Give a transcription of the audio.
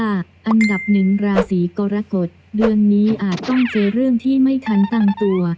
อันดับหนึ่งราศีกรกฎเดือนนี้อาจต้องเจอเรื่องที่ไม่ทันตั้งตัว